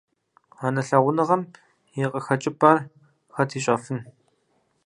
Анэ лъагъуныгъэм и къыхэкӀыпӀэр хэт ищӀэфын.